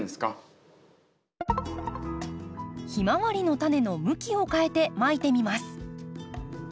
ヒマワリのタネの向きを変えてまいてみます。